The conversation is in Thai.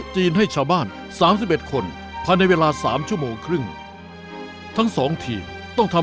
เดี๋ยวเข้า